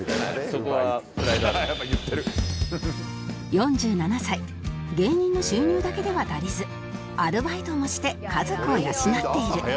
４７歳芸人の収入だけでは足りずアルバイトもして家族を養っている